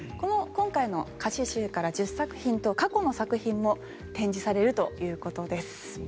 今回の歌詞集から１０作品と過去の作品も展示されるということです。